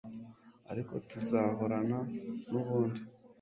ariko tuzahorana n'ubundi